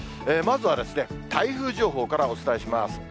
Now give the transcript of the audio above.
まずは、台風情報からお伝えします。